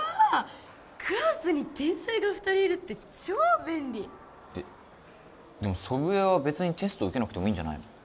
クラスに天才が２人いるって超便利でも祖父江は別にテスト受けなくてもいいんじゃないの？